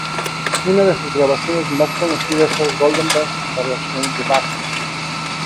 Una de sus grabaciones más conocidas es Goldberg Variations de Bach.